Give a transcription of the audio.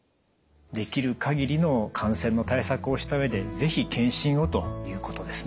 できるかぎりの感染の対策をした上で是非検診をということですね。